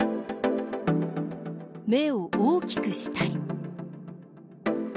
目を大きくしたり。